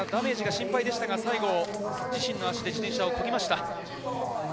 ダメージが心配でしたが、最後は自身の足で自転車をこぎました。